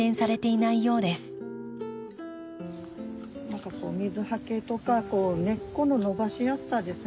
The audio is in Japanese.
何かこう水はけとか根っこの伸ばしやすさですね。